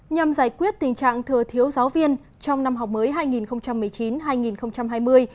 nhằm giải quyết tình trạng thừa thiếu giáo viên trong năm học mới hai nghìn một mươi chín hai nghìn hai mươi